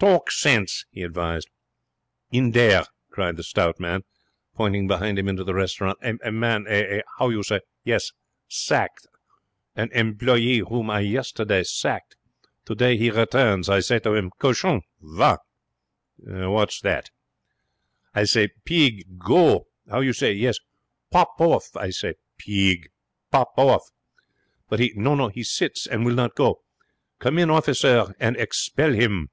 'Talk sense,' he advised. 'In dere,' cried the stout man, pointing behind him into the restaurant, 'a man, a how you say? yes, sacked. An employe whom I yesterday sacked, today he returns. I say to him, "Cochon, va!"' 'What's that?' 'I say, "Peeg, go!" How you say? Yes, "pop off!" I say, "Peeg, pop off!" But he no, no; he sits and will not go. Come in, officer, and expel him.'